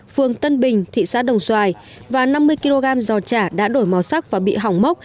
phường tân bình thị xã đồng xoài và năm mươi kg giò chả đã đổi màu sắc và bị hỏng mốc